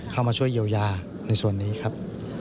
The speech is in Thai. เข้ามาช่วยเยียวยาในส่วนนี้ครับ